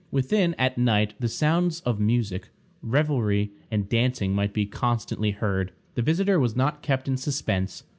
Within, at night, the sounds of music, revelry, and dancing might be constantly heard. The visitor was not kept in suspense.